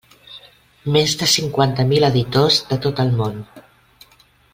Més de cinquanta mil editors de tot el món.